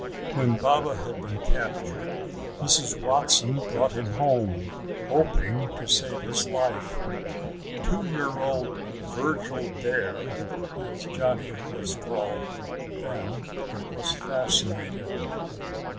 When Baba had been captured, Mrs. Watson brought him home, hoping to save his life. Two year old Virgil Dare, as Johnny was called then, was fascinated.